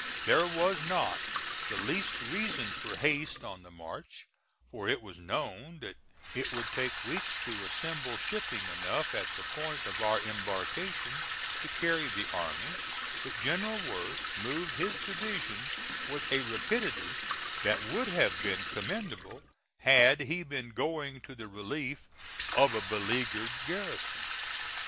There was not the least reason for haste on the march, for it was known that it would take weeks to assemble shipping enough at the point of our embarkation to carry the army, but General Worth moved his division with a rapidity that would have been commendable had he been going to the relief of a beleaguered garrison.